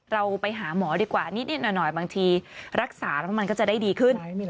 เราไปหาหมอดีกว่านิดหน่อยบางทีรักษาแล้วมันก็จะได้ดีขึ้น